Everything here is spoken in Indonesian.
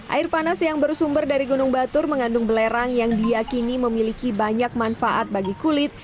air panas yang bersumber dari gunung batur mengandung belerang yang diakini memiliki banyak manfaat bagi kulit